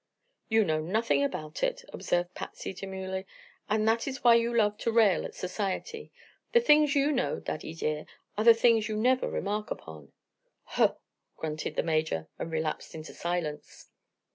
"You know nothing about it," observed Patsy, demurely, "and that is why you love to rail at society. The things you know, Daddy dear, are the things you never remark upon." "Huh!" grunted the Major, and relapsed into silence.